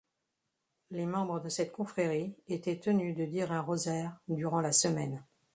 Les membres de cette confrérie étaient tenus de dire un rosaire durant la semaine.